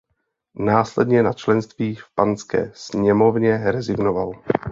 Následně na členství v Panské sněmovně rezignoval.